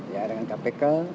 ya dengan kpk